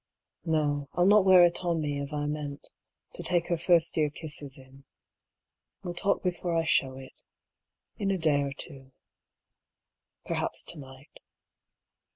No, I'll not wear it on me, as I meant, to take her first dear kisses in: we'll talk before I show it — in a day or two — perhaps to night.